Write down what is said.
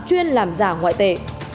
chuyên làm giả ngoại tệ